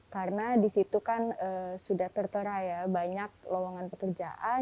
karena disitu kan sudah tertera banyak lowongan pekerjaan